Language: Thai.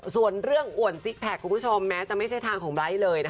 ส่วนเรื่องอ่วนซิกแพคคุณผู้ชมแม้จะไม่ใช่ทางของไลท์เลย